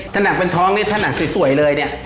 ผ้านังเป็นท้องนี่ผ้านังสวยเลย